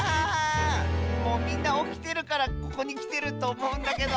もうみんなおきてるからここにきてるとおもうんだけど。